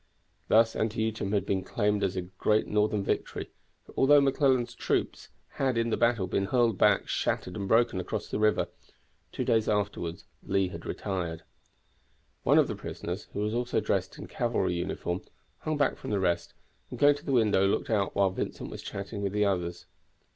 Thus Antietam had been claimed as a great Northern victory, for although McClellan's troops had in the battle been hurled back shattered and broken across the river, two days afterward Lee had retired. One of the prisoners, who was also dressed in cavalry uniform, hung back from the rest, and going to the window looked out while Vincent was chatting with the others.